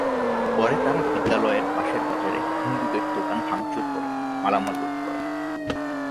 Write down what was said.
পরে তাঁরা বিদ্যালয়ের পাশের বাজারে হিন্দুদের দোকান ভাঙচুর করে মালামাল লুট করেন।